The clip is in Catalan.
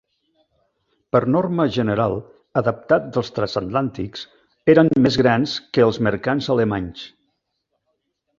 Per norma general, adaptat dels transatlàntics, eren més grans que els mercants alemanys.